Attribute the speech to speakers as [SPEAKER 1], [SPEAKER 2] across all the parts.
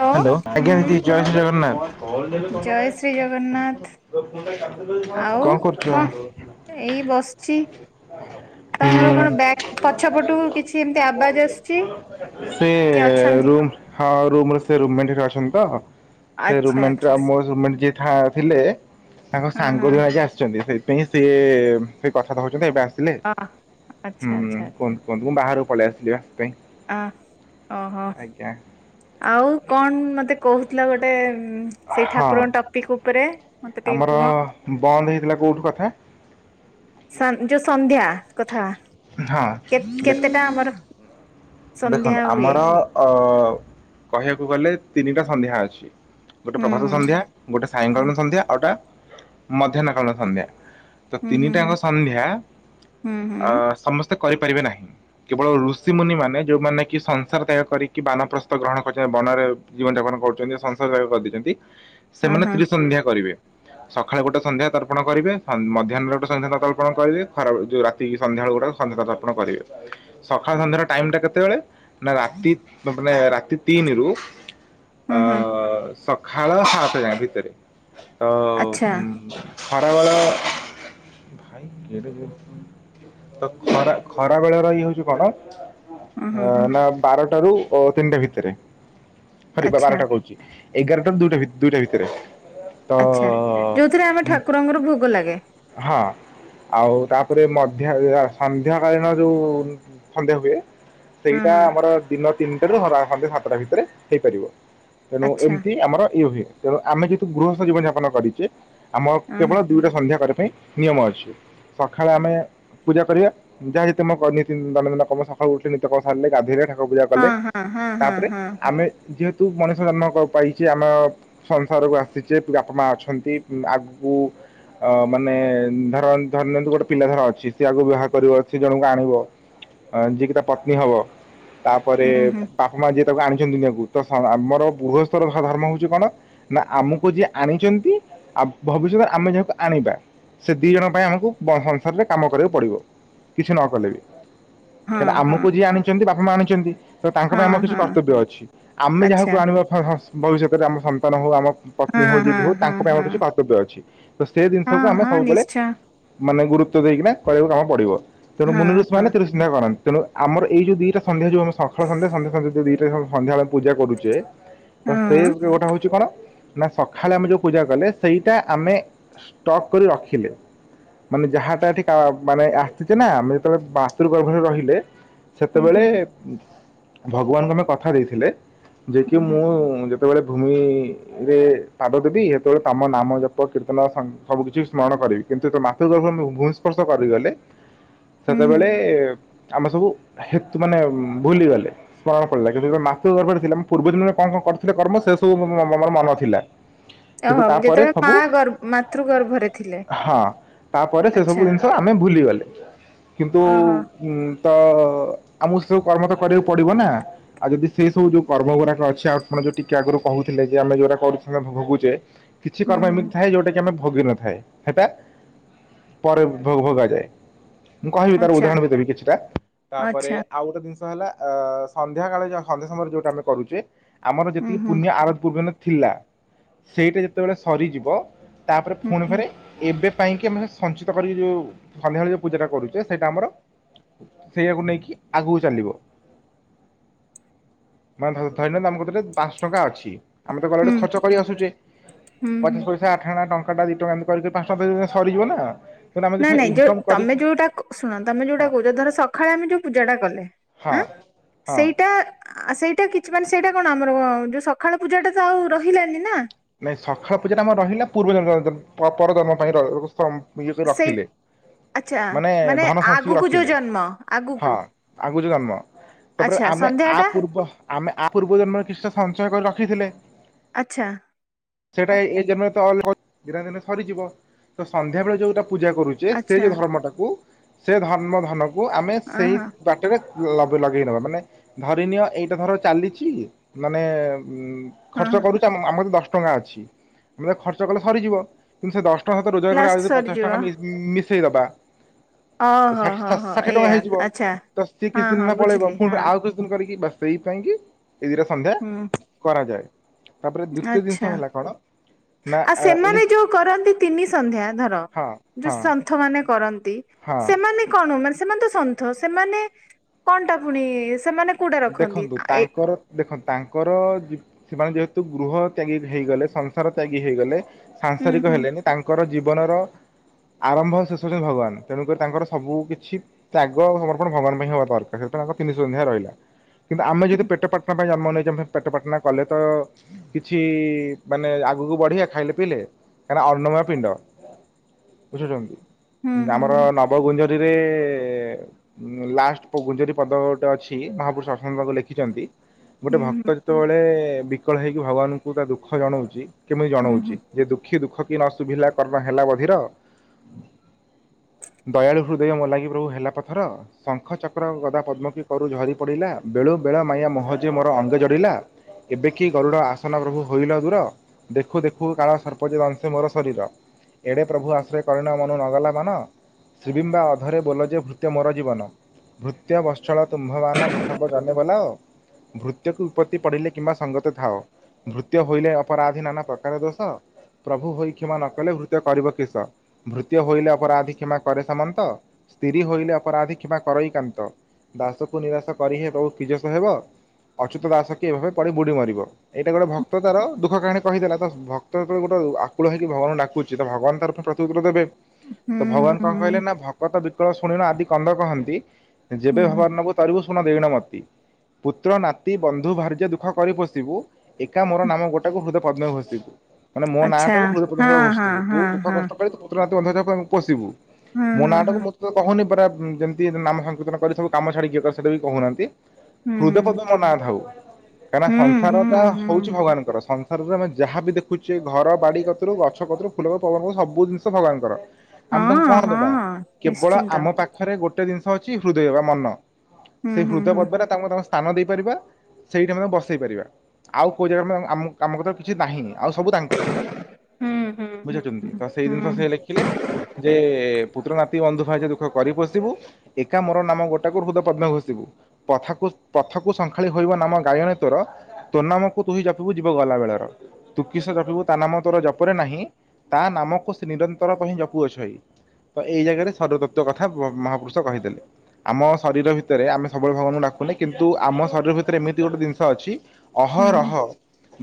[SPEAKER 1] Hello
[SPEAKER 2] hello. ଆଜ୍ଞା ଦିଦି
[SPEAKER 1] ହୁଁ
[SPEAKER 2] ଜୟ ଶ୍ରୀ ଜଗନ୍ନାଥ।
[SPEAKER 1] ଜୟ ଶ୍ରୀ ଜଗନ୍ନାଥ
[SPEAKER 2] କଣ କରୁଛ?
[SPEAKER 1] ଏଇ ବସିଛି।
[SPEAKER 2] ହୁଁ
[SPEAKER 1] ତମର କଣ ବ୍ୟାଗ ପଛ ପଟୁ କିଛି ଏମତି ଆବାଜ ଆସୁଛି।
[SPEAKER 2] ସେ
[SPEAKER 1] କିଏ ଅଛ
[SPEAKER 2] ରୁମ୍ ହଁ ରୁମର ସେ ରୁମ୍ ମେଣ୍ଟରେ ଅଛନ୍ତି ତ। ସେ ରୁମ୍
[SPEAKER 1] ଆଚ୍ଛା
[SPEAKER 2] ମେଣ୍ଟ
[SPEAKER 1] ଆଚ୍ଛା
[SPEAKER 2] ମୋ ରୁମମେଣ୍ଟ ଯିଏ ଥା ଥିଲେ ତାଙ୍କ
[SPEAKER 1] ହଁ
[SPEAKER 2] ସାଙ୍ଗ
[SPEAKER 1] ହଁ
[SPEAKER 2] ଜଣେ ଆଜି ଆସିଛନ୍ତି। ସେଇଥିପାଇଁ ସିଏ ସେ କଥାବାର୍ତ୍ତା ହେଉ ଏବେ ଆସିଲେ।
[SPEAKER 1] ଅ ଆଚ୍ଛା
[SPEAKER 2] ହୁଁ
[SPEAKER 1] ଆଚ୍ଛା
[SPEAKER 2] ହୁଁ
[SPEAKER 1] ଆଚ୍ଛା
[SPEAKER 2] କୁହନ୍ତୁ କୁହନ୍ତୁ ମୁଁ ବାହାରକୁ ପଳେଇ ଆସିଲି ବା। ସେଥିପାଇଁ
[SPEAKER 1] ଅ ଓହୋ
[SPEAKER 2] ଆଜ୍ଞା
[SPEAKER 1] ଆଉ କଣ ମୋତେ କହୁଥିଲା ଗୋଟେ ସେଇ
[SPEAKER 2] ହଁ।
[SPEAKER 1] ଠାକୁରଙ୍କ ଟପିକ ଉପରେ ମୋତେ ଟିକେ
[SPEAKER 2] ଆମର
[SPEAKER 1] କୁହ।
[SPEAKER 2] ବନ୍ଦ ହେଇଥିଲା କୋଉଠୁ କଥା
[SPEAKER 1] ସନ୍ ଯୋଉ ସନ୍ଧ୍ୟା କଥା
[SPEAKER 2] ହଁ
[SPEAKER 1] କେ
[SPEAKER 2] ଦେଖ
[SPEAKER 1] କେତେଟା ଆମର? ସନ୍ଧ୍ୟା
[SPEAKER 2] ଦେଖନ୍ତୁ
[SPEAKER 1] ହୁଏ
[SPEAKER 2] ଆମର ଅ କହିବାକୁ ଗଲେ ତିନିଟା ସନ୍ଧ୍ୟା ଅଛି। ଗୋଟେ
[SPEAKER 1] ହୁଁ
[SPEAKER 2] ପ୍ରଭାତ
[SPEAKER 1] ହୁଁ
[SPEAKER 2] ସନ୍ଧ୍ୟା, ଗୋଟେ ସ୍ୱାୟଂକାଳୀନ ସନ୍ଧ୍ୟା ଆଉ ଗଟା ମଧ୍ୟାହ୍ନ କଳୀନ ସନ୍ଧ୍ୟା। ତ
[SPEAKER 1] ହୁଁ ହୁଁ ହୁଁ
[SPEAKER 2] ତିନିଟାଙ୍କ ସନ୍ଧ୍ୟା
[SPEAKER 1] ହୁଁ ହୁଁ
[SPEAKER 2] ଅ
[SPEAKER 1] ହୁଁ
[SPEAKER 2] ସମ କରିପାରିବେ ନାହିଁ କେବଳ ଋଷିମୁନି ମାନେ ଯୋଉମାନେ କି ସଂସାର ତ୍ୟାଗ କରିକି। ବାନପ୍ରସ୍ତ ଗ୍ରହଣ କରିଚନ୍ତି। ବନରେ ଜୀବନଯାପନ କରୁଚନ୍ତି। ସଂସାର ତ୍ୟାଗ କରିଦେଇଚନ୍ତି।
[SPEAKER 1] ହଁ
[SPEAKER 2] ସେମାନେ
[SPEAKER 1] ହଁ
[SPEAKER 2] ତ୍ରି ସନ୍ଧ୍ୟା କରିବେ। ସକାଳେ ଗୋଟେ ସନ୍ଧ୍ୟା ଦର୍ପଣ କରିବେ। ମଧ୍ୟାହ୍ନରେ ଗୋ ସନ୍ଧ୍ୟା ଦର୍ପଣ କରିବେ। ଖରା ଯୋଉ ରାତି ସନ୍ଧ୍ୟା ସକାଳୁ ଗୋଟାକ ସନ୍ଧ୍ୟା ଦର୍ପଣ କରିବେ। ସକାଳ ସନ୍ଧ୍ୟାର ଟାଇମ୍ ଟା କେ ସେତେବେଳେ ନା ରାତି ମାନେ ରାତି ତିନିରୁ ଅ
[SPEAKER 1] ହଁ ହଁ
[SPEAKER 2] ସକାଳ ହାପ ଯାଏଁ ଭିତରେ ତ
[SPEAKER 1] ଆଚ୍ଛା
[SPEAKER 2] ଉଁ ଖରାବେଳ ଭାଇ [inaudible] ତ ଖରା ଖରା ବେଳର ଇଏ ହୋଉଚି କଣ?
[SPEAKER 1] ଉଁ
[SPEAKER 2] ଅ
[SPEAKER 1] ହୁଁ
[SPEAKER 2] ନା ବାରଟା ରୁ ଓ ତିନିଟା ଭିତରେ ସରି ବା
[SPEAKER 1] ଆଚ୍ଛା
[SPEAKER 2] ବାରଟା କୋହୁଚି। ଏଗାରଟାରୁ ଦୁଇଟା ଭି ଦୁଇଟା ଭିତରେ। ତ
[SPEAKER 1] ଆଚ୍ଛା ଯୋଉଥିରେ ଆମେ ଠାକୁରଙ୍କର ଭୋଗ ଲାଗେ।
[SPEAKER 2] ହଁ ଆଉ ତାପରେ ମଧ୍ୟା ଆ ସନ୍ଧ୍ୟା କାଳୀନ ଯୋଉ ସନ୍ଧ୍ୟା ହୁଏ।
[SPEAKER 1] ହୁଁ
[SPEAKER 2] ସେଇଟା
[SPEAKER 1] ହୁଁ
[SPEAKER 2] ଆମର ଦିନ ତିନିଟାରୁ ହଁ ରା ସନ୍ଧ୍ୟା ସାତଟା ଭିତରେ ହେଇପାରିବ। ତେଣୁ
[SPEAKER 1] ଆଚ୍ଛା
[SPEAKER 2] ଏମିତି ଆମର ଇଏ ହୁଏ। ତେଣୁ ଆମେ ଯେହେତୁ ଗୃହସ୍ଥ ଜୀବନ ଯାପନ କରିଚେ। ଆମର
[SPEAKER 1] ଉଁ
[SPEAKER 2] କେବଳ
[SPEAKER 1] ହୁଁ
[SPEAKER 2] ଦୁଇଟା ସନ୍ଧ୍ୟା କରିବା ପାଇଁ ନିୟମ ଅଛି। ସକାଳେ ଆମେ ପୂଜା କରିବା ଯାହା ଯେତେ [unintelligible] ଦୈନନ୍ଦିନ କମ ସକାଳୁ ଉଠିନି ଦେଖ ସାରିଲେ ଗାଧୋଇଲେ ଠାକୁର ପୂଜା କଲେ।
[SPEAKER 1] ହଁ ହଁ ହଁ
[SPEAKER 2] ତାପରେ
[SPEAKER 1] ହଁ ହଁ
[SPEAKER 2] ଆମେ ଯେହେ ତୁ ମଣିଷ ଜନ୍ମ କ ପାଇଚେ ଆମ ସଂସାରକୁ ଆସିଚେ ବାପା ମା ଅଛନ୍ତି। ଆଗକୁ ଅ ମାନେ ଧର ଧରି ନିଅନ୍ତୁ ଗୋଟେ ପିଲା ଧର ଅଛି। ସିଏ ଆଗକୁ ବିବାହ କରିବ। ସେ ଜଣଙ୍କୁ ଆଣିବ। ଅ ଯିଏ କି ତା ପତ୍ନୀ ହବ, ତାପରେ
[SPEAKER 1] ହୁଁ ହୁଁ
[SPEAKER 2] ବାପା ମା ଯ ତାକୁ ଆଣିଛନ୍ତି ଦୁନିଆକୁ ତ ଆମର ବୃହସ୍ତର ଧର୍ମ ହଉଚି କଣ ନା ଆମକୁ ଯିଏ ଆଣିଚନ୍ତି ଆ ଭବିଷ୍ୟତରେ ଆମେ ଯାହାକୁ ଆଣିବା। ସେ ଦି ଜଣଙ୍କ ପାଇଁ ଆମକୁ ବ ହ ସଂସାରରେ କାମ କରିବାକୁ ପଡିବ କିଛି ନ କଲେ ବି।
[SPEAKER 1] ହଁ ହଁ।
[SPEAKER 2] ଆମେ କେମିତି ବାପା ମା ଆଣିଚନ୍ତି ତ ତାଙ୍କ ପାଇଁ ଆମର
[SPEAKER 1] ହଁ
[SPEAKER 2] କିଛି
[SPEAKER 1] ହଁ
[SPEAKER 2] କର୍ତ୍ତବ୍ୟ ଅଛି। ଆମେ ଯାହାକୁ
[SPEAKER 1] ଆଚ୍ଛା
[SPEAKER 2] ଆଣିବା ଫା ଭବିଷ୍ୟତରେ ଆମ ସନ୍ତାନ ହଉ ଆମ ପତ୍ନୀ
[SPEAKER 1] ହଁ
[SPEAKER 2] ହଉ ଯେ
[SPEAKER 1] ହଁ
[SPEAKER 2] ବି ହଉ
[SPEAKER 1] ହଁ
[SPEAKER 2] ତାଙ୍କ ପାଇଁ
[SPEAKER 1] ହଁ
[SPEAKER 2] ଅବଶ୍ୟ କର୍ତ୍ତବ୍ୟ ଅଛି। ତ ସେ
[SPEAKER 1] ହଁ
[SPEAKER 2] ଜିନିଷକୁ ଆମେ
[SPEAKER 1] ହଁ
[SPEAKER 2] ସବୁବେଳେ
[SPEAKER 1] ନିଶ୍ଚୟ
[SPEAKER 2] ମାନେ ଗୁରୁତ୍ୱ ଦେଇକିନା କରିବାକୁ ଆମକୁ ପଡିବ, ତେଣୁ
[SPEAKER 1] ହଁ
[SPEAKER 2] ମୁନିରୁଷୀ
[SPEAKER 1] ହଁ
[SPEAKER 2] ମାନେ ଚିନ୍ତା କରନ୍ତି ତେଣୁ ଆମର ଏଇ ଯଉ ଦିଟା ସନ୍ଧ୍ୟା ଯଉ ଆମ ସକାଳ ସନ୍ଧ୍ୟା ସନ୍ଧ୍ୟା ସଧ୍ୟା ଦିଟା ସନ୍ଧ୍ୟାବେଳେ ପୂଜା କରଛେ ତ ସେଇ
[SPEAKER 1] ହଁ
[SPEAKER 2] ଗୋଟା ହଉଚି କଣ? ନା ସକାଳେ ଆମେ ଯୋଉ ପୂଜା କଲେ ସେଇଟା ଆମେ ଷ୍ଟକ୍ କରି ରଖିଲେ। ମାନେ ଯାହାଟା ଏଠି କା ମାନେ ଆସିଛେ ନା ଆମେ ଯେତେବେଳୁ [unintelligible] ଗର୍ଭରେ ରହିଲେ।
[SPEAKER 1] ହୁଁ
[SPEAKER 2] ସେତେବେଳେ
[SPEAKER 1] ହୁଁ
[SPEAKER 2] ଉଁ ଭଗବାନଙ୍କୁ ଆମେ କଥା ଦେଇଥିଲେ ଯେ କି
[SPEAKER 1] ହୁଁ ହୁଁ
[SPEAKER 2] ମୁଁ ସେତେବେଳେ ଭୂମି-ଇ-ଇ ରେ ପାଦ ଦେବୀ ସେତେବେଳେ ତମ ନାମ ଜପ କୀର୍ତ୍ତନ ସବ ସବୁ କିିଛି ସ୍ମରଣ କରିବି କିନ୍ତୁ ଏକ ମାତୃ ଗର୍ଭ ଭୂସ୍ପର୍ଶ କରିଗଲେ
[SPEAKER 1] ହୁଁ ହୁଁ
[SPEAKER 2] ସେତେବେଳେ ଆମେ ସବୁ ହେତୁ ମାନେ ଭୁଲି ଗଲେ ସ୍ମରଣ କରିଲେ। କିନ୍ତୁ ଯେତେବେଳେ ମାତୃ ଗର୍ଭରେ ଥିଲା ପୂର୍ବ ଦିନରେ କଣ କଣ କରିଥିଲେ କର୍ମ ସେ ସବୁ ମ-ମ-ମ-ମ ମର ମନ ଥିଲା। କିନ୍ତୁ
[SPEAKER 1] ଓହୋ
[SPEAKER 2] ତାପରେ
[SPEAKER 1] ଯେତେବେଳେ ମା
[SPEAKER 2] ସବୁ
[SPEAKER 1] ଗର୍ -ମାତୃ ଗର୍ଭରେ ଥିଲେ?
[SPEAKER 2] ହଁ ତାପରେ ସେ
[SPEAKER 1] ଆଚ୍ଛା
[SPEAKER 2] ସବୁ ଜିନିଷ ଆମେ ଭୁଲିଗଲେ। କିନ୍ତୁ
[SPEAKER 1] ଓହୋ
[SPEAKER 2] ଉଁ, ତ ଆମକୁ ସେ ସବୁ କର୍ମ ତ କରିବାକୁ ପଡିବ ନା ଆଉ ଯଦି ସେଇ ସବୁ ଯୋଉ କର୍ମ ଗୁଡାକ ଅଛି ଆପଣ ଯୋଉ ଟିକେ ଆଗରୁ କହୁଥିଲେକି ଆମେ ଯଉଟା କରୁଥିଲେ ଭୋଗୁଚେ କିଛି
[SPEAKER 1] ହୁଁ
[SPEAKER 2] କର୍ମ
[SPEAKER 1] ହୁଁ
[SPEAKER 2] ଏମିତି ଥାଏ ଯୋଉଟା କି ଆମେ ଭୋ ଗିନଥାଏ, ସେଟା ପରେ ଭୋ ଭୋଗାଯାଏ। ମୁଁ କହିବି ତାର
[SPEAKER 1] ଆଚ୍ଛା
[SPEAKER 2] ଉଦାହରଣ ବି ଦେବି କିଛିଟା ତାପରେ
[SPEAKER 1] ଆଚ୍ଛା
[SPEAKER 2] ଆଉ ଗୋଟେ ଜିନିଷ ହେଲା ସନ୍ଧ୍ୟା କଳେ ଯ ସନ୍ଧ୍ୟା ସମୟରେ ଯୋଉଟା ଆମେ କରୁଛେ ଆମର
[SPEAKER 1] ହୁଁ
[SPEAKER 2] ଯେତିକି
[SPEAKER 1] ହୁଁ
[SPEAKER 2] ପୁଣ୍ୟ ଆର ପୂର୍ ଥିଲା ସେଇଟା ଯେତେବେଳେ ସରିଯିବ ତାପରେ
[SPEAKER 1] ହୁଁ
[SPEAKER 2] ପୁଣି
[SPEAKER 1] ହୁଁ
[SPEAKER 2] ଫରେ ଏବେ ପାଇଁକି ଆମେ ସଞ୍ଚିତ କରିକି ଯୋଉ ସନ୍ଧ୍ୟାବେଳେ ଯୋଉ ପୂଜାଟା କରୁଛେ ସେଇଟା ଆମର ସେଇଆକୁ ନେଇକି ଆଗକୁ ଚାଲିବ। ମାନେ ଧ-ଧଇନ ଆମ କତିରେ ପାଞ୍ଚଟଙ୍କା ଅଛି। ଆମେ ତ ଗଲାଠୁ
[SPEAKER 1] ହୁଁ
[SPEAKER 2] ଖର୍ଚ୍ଚ କରି ଆସୁଛେ
[SPEAKER 1] ହୁଁ ହୁଁ
[SPEAKER 2] ପଚିଶ ପଇସା ଆଠନା ଟ ଟଙ୍କା ଦିଟଙ୍କା କରି ଏମିତି ପାଞ୍ଚ ଟଙ୍କା ସରିଯିବ ନା। ତେଣୁ ଆମେ
[SPEAKER 1] ନାଇଁ
[SPEAKER 2] ଯଦି
[SPEAKER 1] ନାଇଁ ଯୋଉ
[SPEAKER 2] ଇନକମ୍
[SPEAKER 1] ତମେ
[SPEAKER 2] କରିକି
[SPEAKER 1] ଯୋଉଟା କ ଶୁଣ ତମେ
[SPEAKER 2] ହଁ
[SPEAKER 1] ଯୋଉଟା କହୁଛ ଧର ସକାଳେ ଆମେ ଯୋଉ ପୂଜାଟା କଲେ।
[SPEAKER 2] ହଁ
[SPEAKER 1] ଆଁ
[SPEAKER 2] ହଁ
[SPEAKER 1] ସେଇଟା। ଆଉ ସେଇଟା କିଛି ମାନେ ସେଇଟା କଣ, ଆମର ଯୋଉ ସକାଳ ପୂଜାଟା ତ ଆଉ ରହିଲାନି ନା।
[SPEAKER 2] ନାଇଁ ସକାଳ ପୂଜାଟା ଆମର ରହିଲା ପୂର୍ବ ଜନ୍ମ ପ-ପର ଜନ୍ମ ପାଇଁ ର ସ [unintelligible]
[SPEAKER 1] ସେଇ
[SPEAKER 2] ରଖିଲେ
[SPEAKER 1] ଆଚ୍ଛା
[SPEAKER 2] ମାନେ ଧନ ସଞ୍ଚିକି
[SPEAKER 1] ଆଗକୁ ଯୋଉ
[SPEAKER 2] ରଖିଲେ
[SPEAKER 1] ଜନ୍ମ
[SPEAKER 2] ହଁ
[SPEAKER 1] ଆଗକୁ
[SPEAKER 2] ଆଉ କୁ ଜନ୍ମ ତାପରେ
[SPEAKER 1] ଆଚ୍ଛା
[SPEAKER 2] ଆମେ
[SPEAKER 1] ସନ୍ଧ୍ୟା
[SPEAKER 2] ଆ
[SPEAKER 1] ଟା
[SPEAKER 2] ପୂର୍ବ ଆମେ ଆ ପୂର୍ବ ଜନ୍ମରେ କିଛିଟା ସଞ୍ଚୟ କରି ର ରଖିଥିଲେ
[SPEAKER 1] ଆଚ୍ଛା।
[SPEAKER 2] ସେଇଟା ଏଇ ଏଇ ଜନ୍ମରେ ତ [unintelligible] ଦିନେ ନା ଦିନେ ସରିଯିବ। ତ ସନ୍ଧ୍ୟା ବେଳେ ଯୋଉଟା ପୂଜା କରୁଚେ ସେ
[SPEAKER 1] ଆଚ୍ଛା
[SPEAKER 2] ଯେଉଁ ଧର୍ମଟାକୁ ସେ ଧର୍ମ ଧନକୁ ଆମେ
[SPEAKER 1] ହଁ
[SPEAKER 2] ସେଇ
[SPEAKER 1] ହଁ
[SPEAKER 2] ବାଟରେ ଲଗ ଲଗେଇ ଦବା ମାନେ ଧରିନିଅ ଏଇଟା ଧର ଚାଲିଚି ମାନେ ଉଁ,
[SPEAKER 1] ହଁ
[SPEAKER 2] ଖର୍ଚ୍ଚ କରୁଚ ଆ, ଆମ କତି ଦଶ ଟଙ୍କା ଅଛି। ଆମେ ତାକୁ ଖର୍ଚ୍ଚ କଲେ ସରିଯିବ। କିନ୍ତୁ ସେ ଦଶ ଟଙ୍କା ତ ରୋଜଗାର କଲେ ଆଉ
[SPEAKER 1] ଲାଷ୍ଟ
[SPEAKER 2] ଯଦି ପଚାଶ
[SPEAKER 1] ସରିଯିବ
[SPEAKER 2] ଟଙ୍କା ମି- ମିଶେଇଦବା ତ
[SPEAKER 1] ଓହୋ
[SPEAKER 2] ଷାଠି
[SPEAKER 1] ହୋ
[SPEAKER 2] ଷାଠି
[SPEAKER 1] ହୋ
[SPEAKER 2] -ଷାଠିଏ ଟଙ୍କା
[SPEAKER 1] ଏଇଆ
[SPEAKER 2] ହେଇଯିବ
[SPEAKER 1] ଆଚ୍ଛା
[SPEAKER 2] ତ ସିଏ କିଛି
[SPEAKER 1] ହଁ
[SPEAKER 2] ଦିନ
[SPEAKER 1] ହଁ
[SPEAKER 2] ନେ ପଳେଇବ।
[SPEAKER 1] ବୁଝିଲି
[SPEAKER 2] ପୁଣି ଫେର୍
[SPEAKER 1] ହଁ
[SPEAKER 2] ଆଉ କିଛି ଦିନ କରିକି ବାସ୍ ସେଇ ପାଇଁ କିି ଏ ଦିରେ ସନ୍ଧ୍ୟା
[SPEAKER 1] ହୁଁ
[SPEAKER 2] କରାଯାଏ। ତାପରେ ଦ୍ଵିତୀୟ
[SPEAKER 1] ଆଚ୍ଛା
[SPEAKER 2] ଜିନିଷ ହେଲା କଣ ନା
[SPEAKER 1] ଆଉ
[SPEAKER 2] ଏଇ
[SPEAKER 1] ସେମାନେ ଯୋଉ କରନ୍ତି ତିନି ସନ୍ଧ୍ୟା ଧର
[SPEAKER 2] ହଁ ହଁ
[SPEAKER 1] ଯୋଉ ସନ୍ଥ ମାନେ କରନ୍ତି
[SPEAKER 2] ହଁ
[SPEAKER 1] ସେମାନେ କଣ ମାନେ ସେ ସେମାନେ ତ ସନ୍ଥ ସେମାନେ କଣ ଟା ପୁଣି-ଇ-ଇ-ଇ ସେମାନେ କୋଉଟା ରଖନ୍ତି
[SPEAKER 2] ଦେଖନ୍ତୁ
[SPEAKER 1] ଏ
[SPEAKER 2] ତାଙ୍କର ଦେଖନ୍ତୁ ତାଙ୍କର ଯି ସେମାନେ ଯେହେତୁ ଗୃହ ତ୍ୟାଗି ହେଇଗଲେ। ସଂସାର ତ୍ୟାଗି ହେଇଗଲେ
[SPEAKER 1] ହୁଁ
[SPEAKER 2] ସାଂସାରିକ
[SPEAKER 1] ହୁଁ
[SPEAKER 2] ହେଲେନି ତାଙ୍କର ଜୀବନର ଆରମ୍ଭ ଶେଷ ହଉଛନ୍ତି ଭଗବାନ। ତେଣୁକରି ତାଙ୍କର ସବୁ କିଛି ତ୍ୟାଗ ସମର୍ପଣ ଭଗବାନ ପାଇଁ ହିଁ ହବା ଦର ତା ସହିତ ତାଙ୍କର ତିନି ସନ୍ଧ୍ୟା ରହିଲା। କିନ୍ତୁ ଆମେ ଯଦି
[SPEAKER 1] ହୁଁ।
[SPEAKER 2] ପେଟ ପାଟଣା ପାଇଁ ଜନ୍ମ ନେଇ ଯେ ମୁଁ ପେଟ ପାଟଣା କଲେ ତ କିଛି ମାନେ ଆଗକୁ ବଢିବା ଖାଇଲେ ପିଇଲେ। ନା ଅର୍ଣ୍ଣମା ପିଣ୍ଡ ବୁଝୁଚନ୍ତି
[SPEAKER 1] ହୁଁ
[SPEAKER 2] ଆମର
[SPEAKER 1] ହୁଁ
[SPEAKER 2] ନବଗୁଞ୍ଜ ଲାଞ୍ଜିରେ ଉଁ ଲାଷ୍ଟ ପ ଗୁଞ୍ଜରି ପଦ ଗୋଟେ ଅଛି, ମହାପୁରୁଷଙ୍କ ସ ପାକୁ ଲେଖିଛନ୍ତି ଗୋଟେ
[SPEAKER 1] ହୁଁ
[SPEAKER 2] ଭକ୍ତ ଯେତେବେଳେ ବିକଳ ହେଇକି ଭଗବାନଙ୍କୁ ତା ଦୁଃଖ ଜଣଉଚି କେମିତି
[SPEAKER 1] ହୁଁ ହୁଁ ହୁଁ
[SPEAKER 2] ଜଣଉଚି
[SPEAKER 1] ହୁଁ
[SPEAKER 2] ଯେ ଦୁଃଖ କି ଦୁଃଖ କିଏ ନ ଶୁଭିଲା କର୍ମ ହେଲା ବଧିର।
[SPEAKER 1] [inaudible]
[SPEAKER 2] ଦୟାଳୁ ହୃଦୟ ମଲାଗୀ ପ୍ରଭୁ ହେଲା ପଥର, ଶଙ୍ଖ ଚକ୍ର ଗଦା ପଦ୍ମକୀ କରୁ ଝରି ପଡ଼ିଲା। ବେଳୁ ବେଳ ମାୟା ମହଜ ମୋର ଅଙ୍ଗେ ଜଡ଼ିଲା, ଏବେ କିି ଗରୁଡ଼ ଆସନ ପ୍ରଭୁ ହୋଇଲ ଦୂର ଦେଖୁ ଦେଖୁ କାଳ ସର୍ପୋଚ ଦଂଶେ ମୋର ଶରୀର। ଏଡ଼େ ପ୍ରଭୁ ଆଶ୍ରୟ କରିନ ମନୁ ନଗଲା ମନ ଶ୍ରୀବିମ୍ବା ଅଧରେ ବୋଲ ଯେ ଭୃତ୍ୟ ମୋର ଜୀବ, ନ ଭୃତ୍ୟ ବଚଳ ତୁମ୍ଭବାନ ସର୍ବ ଜନେ ବଲ ଭୃତ୍ୟକୁ ଉତ୍ପତ୍ତି ପଢ଼ିଲେ କିମ୍ବା ସଙ୍ଗତ ଥାଅ। ଭୃତ୍ୟ ହଇଲେ ଅପରାଧୀ ନାନା ପ୍ରକାର ଦୋଷ। ପ୍ରଭୁ ହୋଇ କ୍ଷମା ନ କଲେ ଭୃତ୍ୟ କରିବ କେଶ, ଭୃତ୍ୟ ହୋଇଲେ ଅପରାଧୀ କ୍ଷମା କରେ ସାମନ୍ତ ସ୍ଥିରି ହୋଇଲେ ଅପରାଧୀ କିମ୍ବା କରୋଇ କାନ୍ତ ଦାସକୁ ନିରାଶ କରିହେ ପ୍ରଭୁ କିଜେ ସ ହେବ ଅଚ୍ୟୁତ ଦାସ କି ଏ ଭବେ ପଡି ବୁଡି ମରିବ, ଏଇଟା ଗୋଟେ ଭକ୍ତ ତାର ଦୁଃଖ କହାଣୀ କହିଦେଲା ତ ଭକ୍ତ ଉପରେ ଗୋଟେ ଆକୁଳ ହେଇକି ଭଗବାନଙ୍କୁ ଡ଼ାକୁଛି ତ ଭଗବାନ ତାର ପ୍ରତିତ୍ତର ଦେବେ, ତ ଭଗବାନ
[SPEAKER 1] ହୁଁ
[SPEAKER 2] କଣ
[SPEAKER 1] ହୁଁ।
[SPEAKER 2] କହିଲେ ନା ଭ ତ ବିକଳ ଶୁଣି ନ ଆଦି କନ୍ଦ କହନ୍ତି, ଯେବେ
[SPEAKER 1] ହୁଁ ହୁଁ
[SPEAKER 2] ଭବାନ ନବ ତରିବୁ ଶୁଣ ଦେଇଣ ନାତି ପୁତ୍ର ନାତି ବନ୍ଧୁ ଭାରୁଯ୍ୟ ଦୁଃଖ କରି ପୋଷିବୁ, ଏକା ମୋର ନାମ ଗୋଟାକୁ ହୃଦ ପଦ୍ମ ଘୋଷିବୁ। ମାନ ମୋ ନାଁ
[SPEAKER 1] ଆଚ୍ଛା
[SPEAKER 2] ଟାକୁ
[SPEAKER 1] ହଁ
[SPEAKER 2] ହୃଦୟଥେଳେ
[SPEAKER 1] ହଁ
[SPEAKER 2] ଘଷିଥିବୁ ତୁ
[SPEAKER 1] ହଁ
[SPEAKER 2] ଦୁଖ
[SPEAKER 1] ହଁ
[SPEAKER 2] କଷ୍ଟ କରିଚୁ, ତୋ ଥରେ ତୁ ଅନ୍ଧକାରରେ ପଶିବୁ,
[SPEAKER 1] ହଁ
[SPEAKER 2] ମୋ
[SPEAKER 1] ହଁ ହଁ।
[SPEAKER 2] ନାଁଟକୁ ମୁଁ ତ କହନି ପରା ଯେମିତି ନାମ ସଂକୀର୍ତନ କରିଥାଉ, କାମ ଛାଡିକି ଏ ସେଟା ବି କହୁନାହାନ୍ତି,
[SPEAKER 1] ହୁଁ ହୁଁ
[SPEAKER 2] ହୃଦୟ ପଦ୍ମେ ମୋ ନାଁ ଥାଉ। କାହିଁକନା
[SPEAKER 1] ହୁଁ
[SPEAKER 2] ସଂସାର
[SPEAKER 1] ହୁଁ
[SPEAKER 2] ଟା ହଉଚି
[SPEAKER 1] ହୁଁ
[SPEAKER 2] ଭଗବାନଙ୍କର। ଶରୀରେ ଆମେ ଯାହାବି ଦେଖୁଚେ ଘର ବାଡ଼ି କତରୁ ଗଛ କତରୁ ଫୁଲ କ ପବନ କରୁ ସବୁ ଜିନିଷ ଭଗବାନଙ୍କର। ଆମେ ତାଙ୍କୁ
[SPEAKER 1] ହଁ
[SPEAKER 2] କଣ
[SPEAKER 1] ହଁ
[SPEAKER 2] ଦବା କେବଳ
[SPEAKER 1] ନିଶ୍ଚିନ୍ତ।
[SPEAKER 2] ଆମ ପାଖରେ ଗୋଟେ ଟେ ଜିନିଷ ଅଛି ହୃଦୟ ବା ମନ,
[SPEAKER 1] ହୁଁ
[SPEAKER 2] ସେଇ
[SPEAKER 1] ହୁଁ
[SPEAKER 2] ହୃଦ
[SPEAKER 1] ହୁଁ
[SPEAKER 2] ପଦ୍ମରେ ତାଙ୍କର ତାଙ୍କ ସ୍ଥାନ ଦେଇପାରିବା ସେଇଠି ମଧ୍ୟ ବସେଇ ପାରିବା, ଆଉ କୋଉ ଜାଗା ଆମାକୁ କାମ କତା କିଛି ନାହିଁ। ଆଉ ସବୁ ତାଙ୍କର।
[SPEAKER 1] ହୁଁ ହୁଁ ହୁଁ
[SPEAKER 2] ବୁଝପାରୁଛନ୍ତି ତ ସେଇ
[SPEAKER 1] ହୁଁ
[SPEAKER 2] ଜିନିଷ
[SPEAKER 1] ହୁଁ।
[SPEAKER 2] ସେ ଲେଖିଲେ ଯେ ପୁତ୍ର ନାତି ବନ୍ଧୁ ଭାଇଜ ଦୁଃଖ କରି ପସିବୁ, ଏକା ମୋର ନାମ ଗୋଟାକୁୁ ହୃଦ ପଦ୍ମ ଘୋଷିବୁ। ପଥକୁ ପଥକୁ ସଂଙ୍ଖାଳି ହୋଇବ ନାମ ଗାୟଣେ ତୋର, ତୋ ନାମକୁ ତୁହି ଜପୁ କୁ ଯିବ ଗଲା ବେଳର, ତୁକିସ ଜପିବୁ ତା ନାମ ତୋର ଜପରେ ନାହିଁ ତା ନାମକୁ ସେ ନିରନ୍ତର ପାଇଁ ଜପୁଅଛଇ। ତ ଏଇ ଜାଗାରେ ଶରୀର ତତ୍ଵ କଥା ମହା ମହାପୁରୁଷ କହିଦେଲେ, ଆମ ଶରୀର ଭିତ୍ ତରେ ଆମେ ସବୁବେଳେ ଭଗବାନଙ୍କୁ ଡାକୁନି କିନ୍ତୁ ଆମ ଶରୀର ଭିତରେ ଏମିତି ଗୋଟେ ଜିନିଷ ଅଛି
[SPEAKER 1] ହୁଁ
[SPEAKER 2] ଅହରହ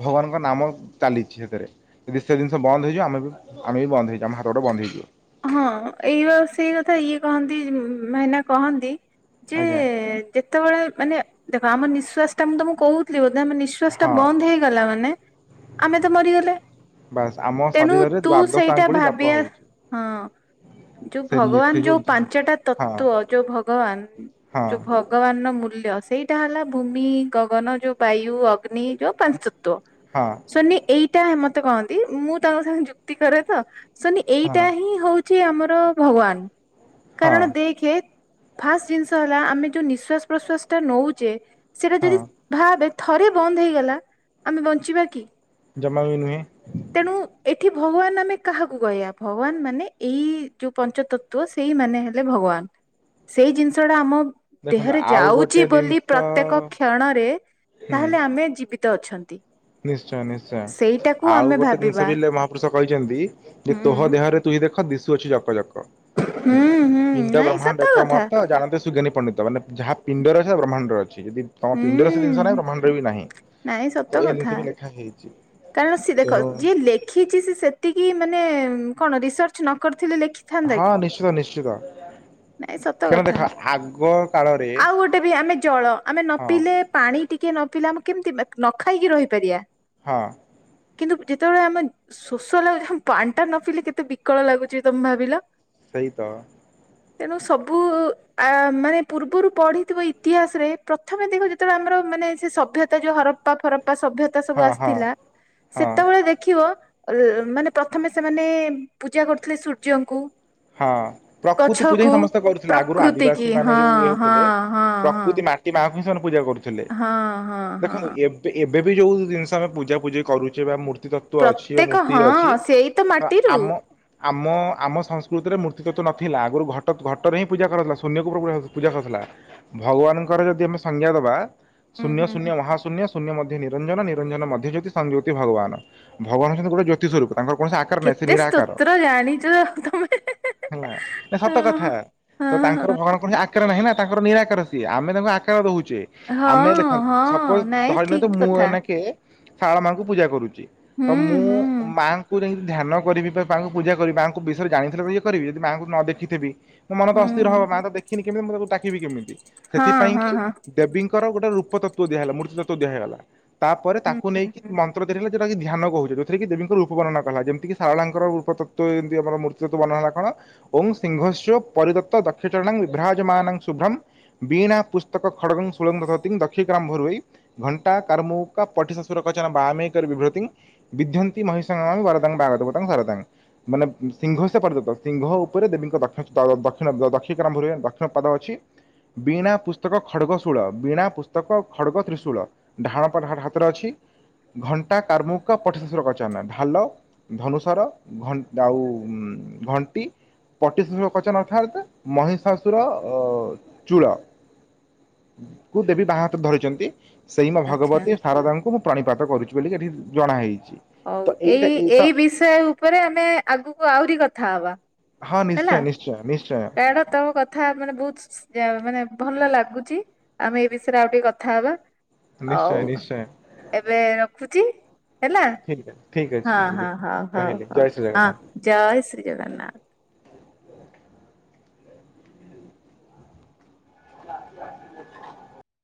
[SPEAKER 2] ଭଗବାନ ତାଙ୍କ ନାମ ଚାଲିଚି ସେଥିରେ, ଯଦି ସେ ଜିନିଷ ବନ୍ଦ ହେଇଯିବ ଆମେ ବି ଆମେ ବି ବନ୍ଦ ହେଇଯୁ ଆମ ହାତ ଗୋଡ଼େ ବନ୍ଦ ହେଇଯିବ।
[SPEAKER 1] ହଁ ଏଇ ସେଇ କଥା ଇଏ କହନ୍ତି ଭାଇନା କହନ୍ତି। ଯେ
[SPEAKER 2] ଆଜ୍ଞା
[SPEAKER 1] ଯେତେବେଳେ ମାନେ ଦେଖ ଆମ ନିଶ୍ଵାସ ଟା ମୁଁ ତମକୁ କହୁଥିଲି ବୋଧ। ଆମ ନିଃଶ୍ଵାସ ଟା
[SPEAKER 2] ହଁ
[SPEAKER 1] ବନ୍ଦ ହେଇଗଲା ମାନେ ଆମେ ତ ମରିଗଲେ।
[SPEAKER 2] ବାସ୍ ଆମ
[SPEAKER 1] ତେଣୁ
[SPEAKER 2] ଶରୀରରେ
[SPEAKER 1] ତୁ
[SPEAKER 2] ଦ୍ଵାଦଶ
[SPEAKER 1] ସେଇଟା
[SPEAKER 2] ଆଙ୍ଗୁଳି ଜପ
[SPEAKER 1] ଭାବିବା
[SPEAKER 2] ହଉଛି।
[SPEAKER 1] ହଁ। ଯୋଉ
[SPEAKER 2] ସେ ନି ସେ
[SPEAKER 1] ଭଗବାନ ଯୋଉ ପାଞ୍ଚଟା
[SPEAKER 2] ହଁ
[SPEAKER 1] ତତ୍ଵ ଯୋଉ ଭଗବାନ
[SPEAKER 2] ହଁ
[SPEAKER 1] ଯୋଉ ଭଗବାନ ମୂଲ୍ୟ ସେଇଟା ହେଲା ଭୂମି, ଗଗନ ଯୋଉ ବାୟୁ, ଅଗ୍ନି ଯୋଉ ପାଞ୍ଚ ତତ୍ୱ
[SPEAKER 2] ହଁ
[SPEAKER 1] ସୁନି ଏଇଟା ମତେ କହନ୍ତି। ମୁଁ ତାଙ୍କ ସାଙ୍ଗେ ଯୁକ୍ତି କରେ ତ ସୁନ ତ୍ୟା
[SPEAKER 2] ହଁ
[SPEAKER 1] ହିଁ ହୋଉଚି ଆମର ଭଗବାନ
[SPEAKER 2] ହଁ
[SPEAKER 1] କାରଣ ଦେଖେ ଫାଷ୍ଟ ଜିନିଷ ହେଲା ଆମେ ଯୋଉ ନିଶ୍ଵାସ ପ୍ରଶ୍ଵାସ ଟା ନେଉଛେ ସେଟା
[SPEAKER 2] ହଁ
[SPEAKER 1] ଯଦି ଭାବେ ଥରେ ବନ୍ଦ ହେଇଗଲା ଆମେ ବଞ୍ଚିବା କି?
[SPEAKER 2] ଜମା ବି ନୁହେଁ।
[SPEAKER 1] ତେଣୁ ଏଠି ଭଗବାନ ଆମେ କାହାକୁ କହିବା। ଭଗବାନ ମାନେ ଏଇ ଯୋଉ ପଞ୍ଚ ତତ୍ଵ ସେଇ ମାନେ ହେଲେ ଭଗବାନ। ସେଇ ଜିନିଷଟା ଆମ
[SPEAKER 2] ଦେଖନ୍ତୁ
[SPEAKER 1] ଦେହରେ
[SPEAKER 2] ଆଉ
[SPEAKER 1] ଯାଉଛି
[SPEAKER 2] ଗୋଟେ
[SPEAKER 1] ବୋଲି
[SPEAKER 2] ଜିନିଷ
[SPEAKER 1] ପ୍ରତ୍ୟେକ କ୍ଷଣରେ
[SPEAKER 2] ହୁଁ
[SPEAKER 1] ତାହେଲେ ଆମେ ଯିବିତ ତ ଅଛନ୍ତି।
[SPEAKER 2] ନିଶ୍ଚୟ ନିଶ୍ଚୟ
[SPEAKER 1] ସେଇଟାକୁ
[SPEAKER 2] ଆଉ
[SPEAKER 1] ଆମେ
[SPEAKER 2] ଗୋଟେ ଜିନିଷ
[SPEAKER 1] ଭାବିବା
[SPEAKER 2] ବି ହେଲେ ମହାପୁରୁଷ କହିଛନ୍ତି ଯେ
[SPEAKER 1] ହୁଁ
[SPEAKER 2] ତୋହ ଦେହରେ ତୁହି ଦେଖ ଦିଶୁଅଛି ଜପ ଜାକ
[SPEAKER 1] ହୁଁ ହୁଁ
[SPEAKER 2] ପିଣ୍ଡ
[SPEAKER 1] ନାଇଁ ସତ
[SPEAKER 2] ବ୍ରହ୍ମାଣ୍ଡ ଏକ
[SPEAKER 1] କଥା।
[SPEAKER 2] ମତ ଜାଣନ୍ତି ସୁଗନୀ ପଣ୍ଡିତ ମାନେ ଯାହା ପିଣ୍ଡରେ ଅସେ ବ୍ରହ୍ମାଣ୍ଡରେ ଅଛି ଯଦି ତମ
[SPEAKER 1] ହୁଁ
[SPEAKER 2] ପିଣ୍ଡରେ ସେ ଜିନିଷ ନାହିଁ ବ୍ରହ୍ମାଣ୍ଡରେ ବି ନାହିଁ।
[SPEAKER 1] ନାଇଁ ସତ କଥା।
[SPEAKER 2] କିନ୍ତୁ ଲେଖା ହେଇଛି
[SPEAKER 1] କାରଣ ସିଏ ଦେଖ
[SPEAKER 2] ତେଣୁ
[SPEAKER 1] ଯିଏ ଲେଖିଛି ସ ସେତିକି ମାନେ କଣ ରିସର୍ଚ ନ କରି ଥିଲେ ଲେଖିଥାନ୍ତା
[SPEAKER 2] ହଁ
[SPEAKER 1] କି?
[SPEAKER 2] ନିଶ୍ଚିତ ନିଶ୍ଚିତ
[SPEAKER 1] ନାଇଁ ସତ
[SPEAKER 2] କାରଣ ଦେଖ
[SPEAKER 1] କଥା
[SPEAKER 2] ଆଗ କାଳରେ
[SPEAKER 1] ଆଉ ଗୋଟେ ବି ଆମେ ଜଳ ଆମେ ନ
[SPEAKER 2] ହଁ
[SPEAKER 1] ପିଇଲେ ପାଣି ଟିକେ କିଏ ନ ପିଲା ଆମ କେମିତି ନ ଖାଇକି ରହିପାରିବା।
[SPEAKER 2] ହଁ।
[SPEAKER 1] କିନ୍ତୁ ଯେତେବେଳେ ଆମ ଶୋଷ ଲାଗୁ ପାନିଣ୍ଟା ନ ପିି କେତେ ବିକଳ ଲାଗୁଛି ତମେ ଭାବିଲ।
[SPEAKER 2] ସେଇତ
[SPEAKER 1] ତେଣୁ ସବୁ ଆ ମାନେ ପୂର୍ବରୁ ପଢିଥିବ ଇତିହାସରେ ପ୍ରଥମେ ଦେଖ ଯେତେବେଳେ ଆମର ମାନେ ସେ ସଭ୍ୟତା ଯୋଉ ହରପା ଫରପପା ସଭ୍ୟତା ସବୁ
[SPEAKER 2] ହଁ ହଁ
[SPEAKER 1] ଆସିଥିଲା
[SPEAKER 2] ହଁ
[SPEAKER 1] ସେତେବେଳେ ଦେଖିବ। କଣ ମାନେ ପ୍ରଥମେ ସେମାନେ ପୂଜା କରୁଥିଲେ ସୂର୍ଯ୍ୟଙ୍କୁ।
[SPEAKER 2] ହଁ ପ୍ରକୃତି ପୂଜା
[SPEAKER 1] ଗଛକୁ
[SPEAKER 2] ହିଁ ସମସ୍ତେ କରୁଥିଲେ ଆଗରୁ
[SPEAKER 1] ପ୍ରକୃତି କି
[SPEAKER 2] ଆଦିବାସୀ ମାନେ
[SPEAKER 1] ହଁ
[SPEAKER 2] ଯୋଉ ଇଏ
[SPEAKER 1] ହଁ
[SPEAKER 2] ହଉଥିଲେ
[SPEAKER 1] ହଁ ହଁ।
[SPEAKER 2] ପ୍ରକୃତି ମାଟି ମାଆକୁ ହିଁ ସେମାନେ ପୂଜା କରୁଥିଲେ।
[SPEAKER 1] ହଁ ହଁ ହଁ
[SPEAKER 2] ଦେଖନ୍ତୁ ଏବେ ବି ଯୋଉ ଜିନିଷ ଆମେ ପୂଜା ପୂଜି କରୁଛେ ବା ମୂର୍ତ୍ତି- ତତ୍ତ୍ୱ ଅଛି।
[SPEAKER 1] ପ୍ରତ୍ୟେକ
[SPEAKER 2] ମୂର୍ତ୍ତି
[SPEAKER 1] ହଁ
[SPEAKER 2] ଅଛି।
[SPEAKER 1] ସେଇ
[SPEAKER 2] ତ
[SPEAKER 1] ମାଟିରୁ
[SPEAKER 2] ଆମ ଆମ ଆମ ସଂସ୍କୃତି- ମୂର୍ତ୍ତିରେ ମୂର୍ତ୍ତି ତ ନଥିଲା। ଆଗରୁ ଘଟ ଘଟରେ ହିଁ ପୂଜାକାରା ଯାଉଥିଲା। ଶୂନ୍ୟ କୁ ପୂଜା କରାଯାଉଥିଲା। ଭଗବାନଙ୍କ- ଥରେ ଯଦି ଆମେ ସନ୍ଧ୍ୟା ଦେବା,
[SPEAKER 1] ହୁଁ
[SPEAKER 2] ଶୂନ୍ୟ,
[SPEAKER 1] ହୁଁ
[SPEAKER 2] ଶୂନ୍ୟ,
[SPEAKER 1] ହୁଁ।
[SPEAKER 2] ମହାଶୂନ୍ୟ। ଶୂନ୍ୟ ମଧ୍ୟ ନିରଞ୍ଜନ। ନିରଞ୍ଜନ ମଧ୍ୟ ଜ୍ୟୋତି। ସଂଜ୍ୟୋତି ଭଗବାନ। ଭଗବାନ ହଉଛନ୍ତି ଗୋଟେ ଜ୍ୟୋତି ସୁରୂପ। ତାଙ୍କର କୌଣସି ଆକାର ନାହିଁ ସେ
[SPEAKER 1] କେତେ
[SPEAKER 2] ନିରାକାର।
[SPEAKER 1] ସ୍ତୋତ୍ର ଜାଣିଛ ତମେ
[SPEAKER 2] ହେଲା ନା ସତ କଥା।
[SPEAKER 1] ହଁ।
[SPEAKER 2] ତ
[SPEAKER 1] ହଁ
[SPEAKER 2] ତାଙ୍କର
[SPEAKER 1] ହଁ
[SPEAKER 2] ଭଗବାନଙ୍କ ଆ - ଆକାର ନାହିଁ ନା ତାଙ୍କର ନିରାକାରର ସିଏ। ଆମେ ତାଙ୍କୁ ଆକାର ଦଉଛୁ। ଯେ ଆମେ
[SPEAKER 1] ହଁ
[SPEAKER 2] ଦେଖନ୍ତୁ।
[SPEAKER 1] ହଁ
[SPEAKER 2] ସପୋଜ
[SPEAKER 1] ନାଇଁ
[SPEAKER 2] ଧରି ନିଅନ୍ତୁ
[SPEAKER 1] ଠିକ
[SPEAKER 2] ମୁଁ
[SPEAKER 1] କଥା
[SPEAKER 2] ଏନାକେ- ଶାଳ ମାଙ୍କୁ ପୂଜା କରୁଛି। ତ
[SPEAKER 1] ହୁଁ
[SPEAKER 2] ମୁଁ
[SPEAKER 1] ହୁଁ।
[SPEAKER 2] ମାଙ୍କୁ ଯାଇ - ଧ୍ୟାନ କରିବି ବାପାଙ୍କୁ ପୂଜା କରିବି। ମାଙ୍କ ବିଷୟ ଜାଣିଥଥିଲେ ଇଏ କରିବି। ଯଦି ମାଆଙ୍କୁ ନ ଦେଖିଥିବି। ମୋ ମନ ତ
[SPEAKER 1] ହୁଁ
[SPEAKER 2] ଅସ୍ଥିର ହବ ମା ତ ଦେଖିନି କେମିତି? ମୁଁ ତାକୁ ଡାକିବି କେମିତି?
[SPEAKER 1] ହଁ
[SPEAKER 2] ସେଥିପାଇଁ
[SPEAKER 1] ହଁ
[SPEAKER 2] କି
[SPEAKER 1] ହଁ
[SPEAKER 2] ଦେବୀ ଗୋଟେ ରୂପ ତତ୍ତ୍ୱ ଦିଆ ହେଲା। ମୃତ ତତ୍ଵ ଦିଆ ହେଇଗଲା। ତା ପରେରେ
[SPEAKER 1] ହୁଁ
[SPEAKER 2] ତାକୁ
[SPEAKER 1] ହୁଁ
[SPEAKER 2] ନେଇକି
[SPEAKER 1] ହୁଁ
[SPEAKER 2] ମନ୍ତ୍ର ତିଆରି ହେଲା। ଯୋକ ଧ୍ୟାନ କହୁଛେ। ଯେଉଥିରେ କି ଦେବୀଙ୍କ ରୂପ ବର୍ଣନା କଲା। ଯେମିତିି ସାରଳାଙ୍କର ରୂପତତ୍ଵ ଯେମତି ଆମର ମୂ - ବର୍ଣ୍ଣନା କଣ ଓଂ ସିଂହସ୍ୟ ପରିଦତ ଦକ୍ଷିଚଣଂ ବିଭ୍ରଜମାନାଂ ଶୁଭ୍ରଂ। ବୀଣା ପୁସ୍ତକ ଖଡ଼ଗଙ୍ଗ ସୁଳଙ୍ଗତି ଦକ୍ଷି ଗ୍ରାମ ଭୁରୁଇ ଘଣ୍ଟା କର୍ମୁକ ପଠିଶାଶୁର। ବଚନ ବାମେକର ବିଭୃତି ବିଦନ୍ତିୀ ମହିଷାଙ୍ଗ ବରଦଙ୍ଗଦଙ୍ଗରଦଙ୍ଗ। ମାନେ ସିଂହସ୍ୟ ପରିଦୂତମ୍ ସିଂହ ଉପରେ ଦେବୀଙ୍କ ଦକ୍ଷିଣ ଦକ୍ଷିଣ ଦକ୍ଷିମ୍ଭ ହଏ ଦକ୍ଷିଣ ପାଦ ଅଛି। ବିଣା ପୁସ୍ତକ ଖଡ଼୍ଗ ଶୂଳ ବିଣା ପୁସ୍ତକ ଖଡ଼ଗ ତ୍ରିଶୂଳ ଡାହାଣ ହାତରେ ଅଛି। ଘଣ୍ଟା କାରମୁକ ପଠଶଶର କଚନା ଢାଲ ଧନୁଷର ଘ ଆଉ- ଉଁ ଘଣ୍ଟି। ପଟିଶ୍ୱଶୁର କଚନ ଅର୍ଥାତ୍ ମହି ଶାଶୁର ଅ ଚୂଳ କୁ ଦେବୀ ବାହା ହାତ ଧରିଛନ୍ତି। ସେଇ ମୋ
[SPEAKER 1] ଆଚ୍ଛା।
[SPEAKER 2] ଭଗବତୀ ଶାରଦାଙ୍କୁ ମୁଁ ପ୍ରାଣିପାତ କରୁଛି ବୋଲି ଏଠି ଜଣାହେଇଛି।
[SPEAKER 1] ହଉ ଏଇ ଏଇ ବିଷୟ ଉପରେ ଆମେ ଆଗକୁ ଆହୁରି କଥା ହବା।
[SPEAKER 2] ହଁ ନିଶ୍ଚୟ ନିଶ୍ଚୟ ନି
[SPEAKER 1] କାଣ ତୋ କଥା ମାନେ ବହୁତ ମାନେ ଭଲ ଲାଗୁଛି। ଆମେ ଏଇ ବିଷୟରେ ଆଉ ଟିକେ କଥା ହବା ଆଉ
[SPEAKER 2] ନିଶ୍ଚୟ ନିଶ୍ଚୟ
[SPEAKER 1] ଏବେ ରଖୁଛି। ହେଲା
[SPEAKER 2] ଠିକ ଅଛି ଠିକ
[SPEAKER 1] ହଁ
[SPEAKER 2] ଅଛି
[SPEAKER 1] ହଁ
[SPEAKER 2] ଦିଦି
[SPEAKER 1] ହଁ ହଁ
[SPEAKER 2] ରହିଲି
[SPEAKER 1] ହଁ
[SPEAKER 2] ଜୟ ଶ୍ରୀ
[SPEAKER 1] ହ
[SPEAKER 2] ଜଗନ୍ନାଥ।
[SPEAKER 1] ଜୟ ଶ୍ରୀ ଜଗନ୍ନାଥ।
[SPEAKER 2] [unintelligible]